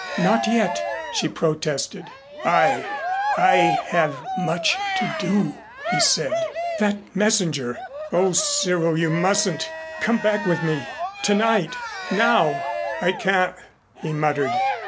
"Not yet " she protested. "I I have much to do " he said. "That messenger O Cyril you mustn't. Come back with me tonight now " "I can't," he muttered.